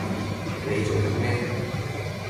你做緊咩